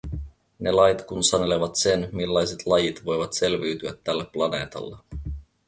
Ne lait kun sanelevat sen, millaiset lajit voivat selviytyä tällä planeetalla.